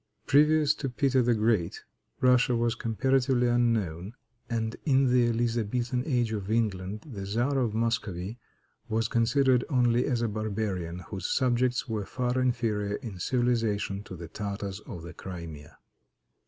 Previous to Peter the Great, Russia was comparatively unknown, and in the Elizabethan age of England the Czar of Muscovy was considered only as a barbarian, whose subjects were far inferior in civilization to the Tartars of the Crimea.